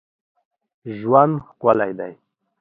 ژوند ښکلی دی